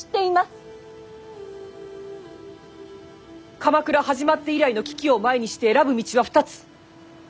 鎌倉始まって以来の危機を前にして選ぶ道は２つ。